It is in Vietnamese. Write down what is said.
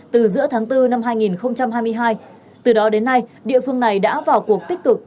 từ giữa tháng bốn năm hai nghìn hai mươi hai từ đó đến nay địa phương này đã vào cuộc tích cực